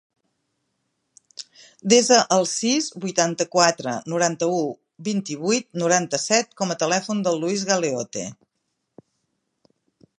Desa el sis, vuitanta-quatre, noranta-u, vint-i-vuit, noranta-set com a telèfon del Luis Galeote.